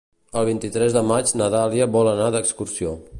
El vint-i-tres de maig na Dàlia vol anar d'excursió.